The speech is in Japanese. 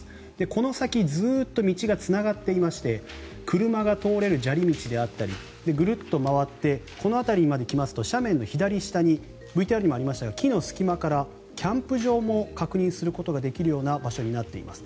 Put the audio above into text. この先ずっと道がつながっていまして車が通れる砂利道であったりぐるっと回ってこの辺りまで来ますと斜面の左下にＶＴＲにもありましたが木の隙間からキャンプ場を確認することができるような場所になっています。